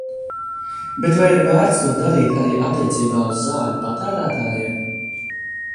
Bet vai ir vērts to darīt arī attiecībā uz zāļu patērētājiem?